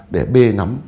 để b nắm